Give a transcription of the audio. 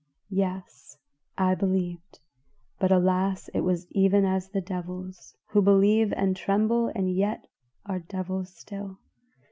Yes, I believed; but alas, it was even as the devils, who believe and tremble and yet are devils still.